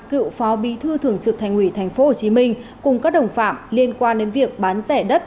cựu phó bí thư thường trực thành ủy tp hcm cùng các đồng phạm liên quan đến việc bán rẻ đất